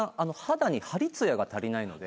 肌に張りつやが足りないので。